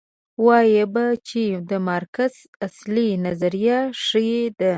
وایو به چې د مارکس اصلي نظریې ښې دي.